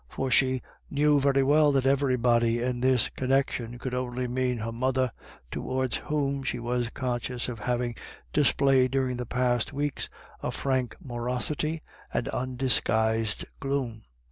For she knew very well that "everybody" in this con nection could only mean her mother, towards whom she was conscious of having displayed during the past weeks a frank morosity and undisguised gloom.